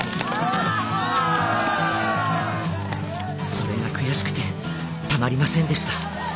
それが悔しくてたまりませんでした。